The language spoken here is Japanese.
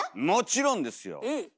もちろんですよ！